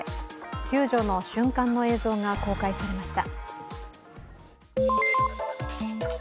救助の瞬間の映像が公開されました。